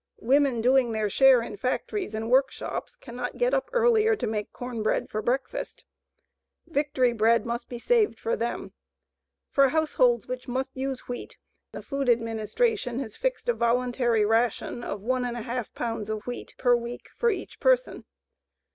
Women doing their share in factories and workshops cannot get up earlier to make corn bread for breakfast. Victory bread must be saved for them. For households which must use wheat, the Food Administration has fixed a voluntary ration of 1½ pounds of wheat per week for each person.